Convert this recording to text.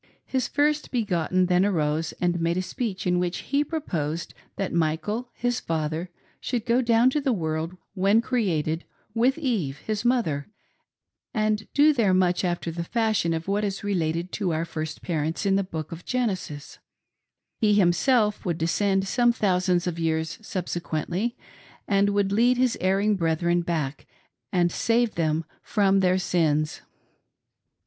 His first begotten then arose, and made a speech, in which he proposed that Michael, his father, should go down to the world, when created, with Eve, his mother, and do there much after the fashion of what is related of our first parents in the book of Genesis ; he himself would descend some thousands of years subsequently, and would lead his erring brethren back, and save them from their sins.